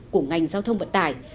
của ngành giao thông vận tải